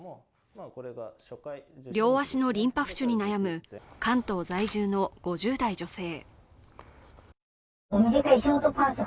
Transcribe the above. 両足のリンパ浮腫に悩む関東在住の５０代女性。